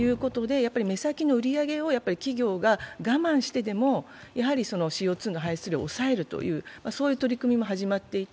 目先の売り上げを企業が我慢してでも、ＣＯ２の排出量を抑えるという取り組みも始まっていて。